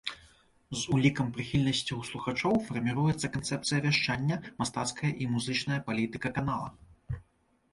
З улікам прыхільнасцяў слухачоў фарміруецца канцэпцыя вяшчання, мастацкая і музычная палітыка канала.